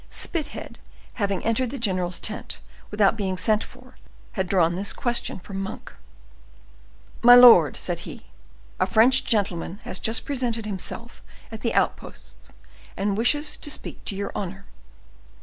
Spithead having entered the general's tent without being sent for, had drawn this question from Monk. "My lord," said he, "a French gentleman has just presented himself at the outposts and wishes to speak to your honor."